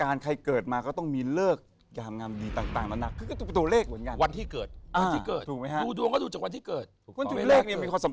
อาจารย์หลายคนวันนี้เราจะต้องยอมรับนะ